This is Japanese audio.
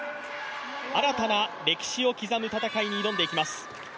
新たな歴史を刻む戦いに挑んでいきます。